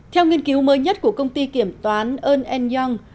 theo nghiên cứu mới nhất của công ty kiểm toán earn young